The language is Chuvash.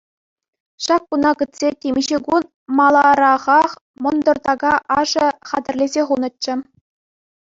Ҫак куна кӗтсе, темиҫе кун маларахах мӑнтӑр така ашӗ хатӗрлесе хунӑччӗ.